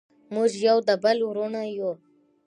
موږ یو د بل وروڼه یو.